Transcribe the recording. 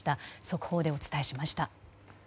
速報でお伝えしました。